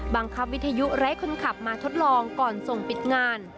วิทยุไร้คนขับมาทดลองก่อนส่งปิดงาน